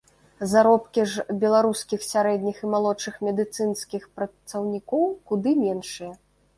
Заробкі ж беларускіх сярэдніх і малодшых медыцынскіх працаўнікоў куды меншыя.